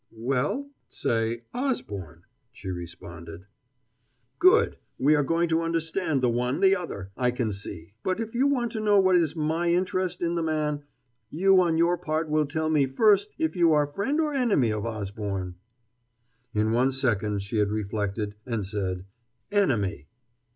"Well, say 'Osborne,'" she responded. "Good. We are going to understand the one the other, I can see. But if you want to know what is 'my interest' in the man, you on your part will tell me first if you are friend or enemy of Osborne." In one second she had reflected, and said: "Enemy."